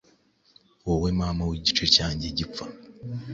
Wowe, Mama w'igice cyanjye gipfa,